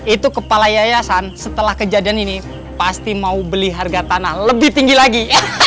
itu kepala yayasan setelah kejadian ini pasti mau beli harga tanah lebih tinggi lagi